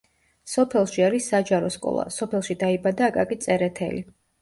სოფელში არის საჯარო სკოლა სოფელში დაიბადა აკაკი წერეთელი.